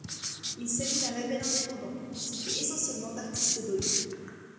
Il s'agit d'un label indépendant constitué essentiellement d'artistes d'Ohio.